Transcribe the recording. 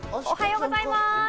おはようございます。